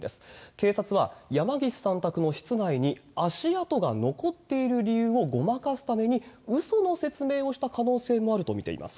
警察は、山岸さん宅の室内に足跡が残っている理由をごまかすために、うその説明をした可能性もあると見ています。